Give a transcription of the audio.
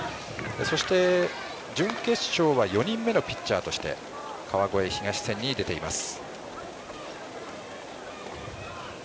そして、準決勝は４人目のピッチャーとして川越東戦に出ています。